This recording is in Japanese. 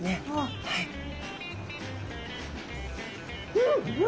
うん！